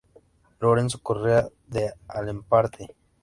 Lorenzo Correa de Alemparte.